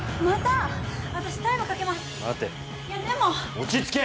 落ち着け！